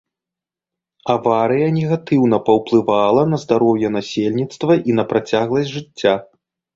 Аварыя негатыўна паўплывала на здароўе насельніцтва і на працягласць жыцця.